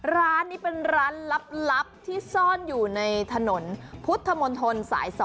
ร้านนี้เป็นร้านลับที่ซ่อนอยู่ในถนนพุทธมนตรสาย๒